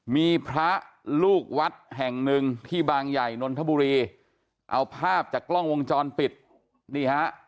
มีพระลูกวัดแห่งหนึ่งที่บางใหญ่นนทบุรีเอาภาพจากกล้องวงจรปิดนี่ฮะ